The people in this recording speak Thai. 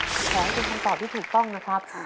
ขอให้เป็นคำตอบที่ถูกต้องนะครับ